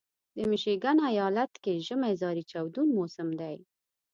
د میشیګن ایالت کې ژمی زارې چاودون موسم دی.